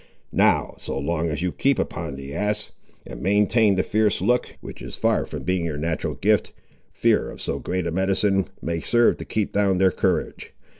Now, so long as you keep upon the ass, and maintain the fierce look which is far from being your natural gift, fear of so great a medicine may serve to keep down their courage.